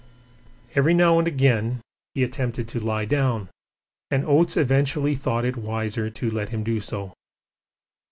Every now and again he attempted to lie down, and Oates eventually thought it wiser to let him do so.